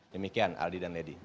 demikian aldi dan lady